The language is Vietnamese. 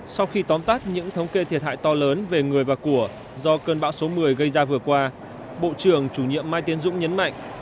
sau khi tóm tắt những thống kê thiệt hại to lớn về người và của do cơn bão số một mươi gây ra vừa qua bộ trưởng chủ nhiệm mai tiến dũng nhấn mạnh